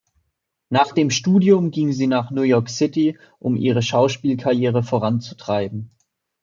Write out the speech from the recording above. Nach dem Studium ging sie nach New York City, um ihre Schauspielkarriere voranzutreiben.